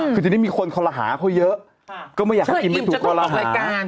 คือทีนี้มีคนเขาหละหาเขาเยอะก็ไม่อยากให้อิ่มไปถูกเขาหละหา